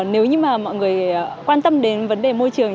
nếu như mà mọi người quan tâm đến vấn đề môi trường